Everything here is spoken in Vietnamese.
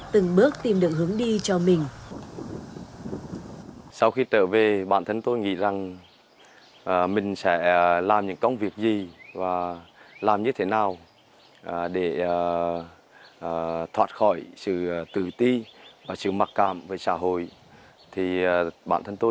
từng bước tìm được hướng đi cho mình